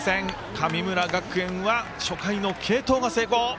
神村学園は初回の継投が成功。